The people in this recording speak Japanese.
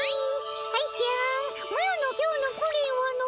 愛ちゃんマロの今日のプリンはの？